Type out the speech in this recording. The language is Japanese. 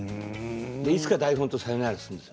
いつか台本とさよならするんです。